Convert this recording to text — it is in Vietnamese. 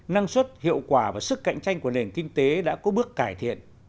năng suất hiệu quả và sức cạnh tranh của nền kinh tế đã có bước cải thiện